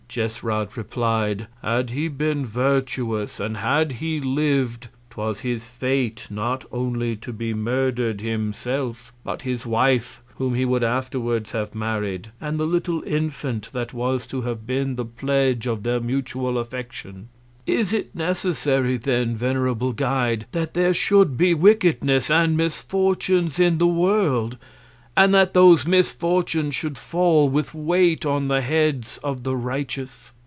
Jesrad, replied, had he been virtuous, and had he liv'd, 'twas his Fate not only to be murder'd himself, but his Wife, whom he would afterwards have married, and the little Infant, that was to have been the Pledge of their mutual Affection. Is it necessary then, venerable Guide, that there should be Wickedness and Misfortunes in the World, and that those Misfortunes should fall with Weight on the Heads of the Righteous?